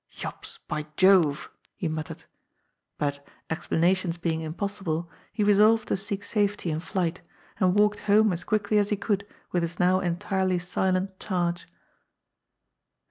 "Jops, by Jove," he muttered. But, explanations being impossible, he resolved to seek safety in flight, and walked home as quickly as he could with his now entirely silent charge.